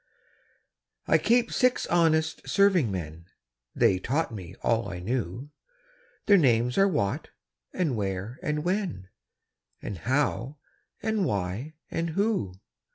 I Keep six honest serving men: (They taught me all I knew) Their names are What and Where and When And How and Why and Who.